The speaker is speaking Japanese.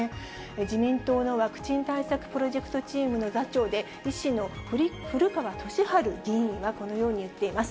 自民党のワクチン対策プロジェクトチームの座長で、医師の古川俊治議員はこのように言っています。